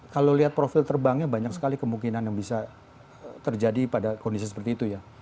kalau lihat profil terbangnya banyak sekali kemungkinan yang bisa terjadi pada kondisi seperti itu ya